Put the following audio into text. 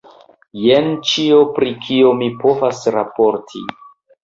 Jen ĉio, pri kio mi povas raporti.